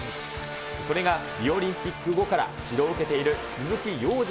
それがリオオリンピック後から指導を受けている鈴木陽二